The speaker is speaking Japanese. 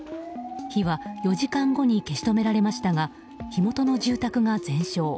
火は４時間後に消し止められましたが火元の住宅が全焼。